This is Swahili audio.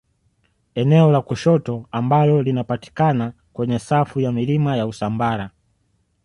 Eneo la Lushoto ambalo linapatikana kwenye safu ya milima ya Usambara